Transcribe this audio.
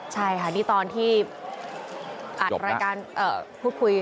ใช่ค่ะนี่ตอนที่อัดรายการพูดคุย